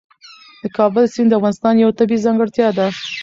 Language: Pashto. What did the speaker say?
د کابل سیند د افغانستان یوه طبیعي ځانګړتیا ده.